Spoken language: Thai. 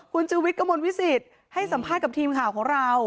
คุณชูวิทย์กระมวลวิสิตให้สัมภาษณ์กับทีมข่าวของเรา